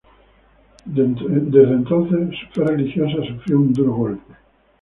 Desde entonces su fe religiosa sufrió un duro golpe.